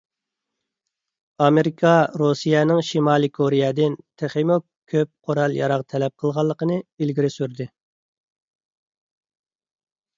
ئامېرىكا رۇسىيەنىڭ شىمالىي كورېيەدىن تېخىمۇ كۆپ قورال-ياراغ تەلەپ قىلغانلىقىنى ئىلگىرى سۈردى.